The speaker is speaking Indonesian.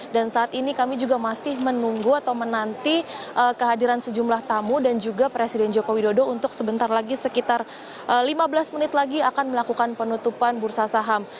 dan saat ini kami juga masih menunggu atau menanti kehadiran sejumlah tamu dan juga presiden jokowi dodo untuk sebentar lagi sekitar lima belas menit lagi akan melakukan penutupan bursa saham